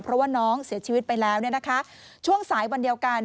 เพราะว่าน้องเสียชีวิตไปแล้วช่วงสายวันเดียวกัน